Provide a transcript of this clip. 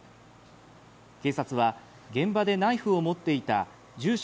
警察は現場でナイフを持っていた住所